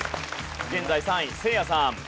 現在３位せいやさん。